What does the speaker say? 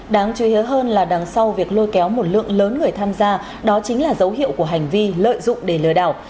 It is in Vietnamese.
đáng chú ý hơn là đằng sau việc lôi kéo một lượng lớn người tham gia đó chính là dấu hiệu của hành vi lợi dụng để lừa đảo